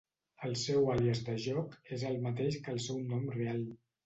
El seu àlies de joc és el mateix que el seu nom real.